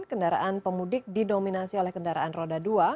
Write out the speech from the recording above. kendaraan pemudik didominasi oleh kendaraan roda dua